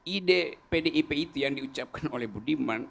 ide pdip itu yang diucapkan oleh bu diman